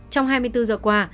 trong hai mươi bốn giờ qua